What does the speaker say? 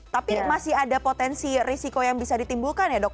tapi masih ada potensi risiko yang bisa ditimbulkan ya dok